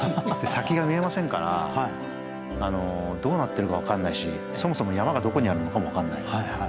先が見えませんからどうなってるか分かんないしそもそも山がどこにあるのかも分からない。